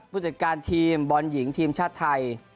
ผู้จัดการทีมบอลหญิงทีมชาติไทย